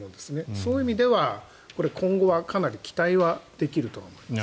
そういう意味では今後はかなり期待はできると思います。